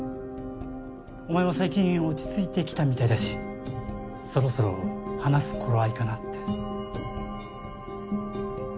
お前も最近落ち着いてきたみたいだしそろそろ話す頃合いかなって。